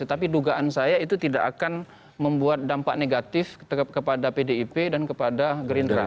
tetapi dugaan saya itu tidak akan membuat dampak negatif kepada pdip dan kepada gerindra